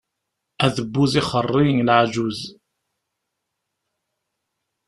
Adebbuz ixeṛṛi leɛǧuz.